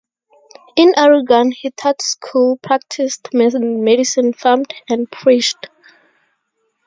In Oregon he taught school, practiced medicine, farmed, and preached.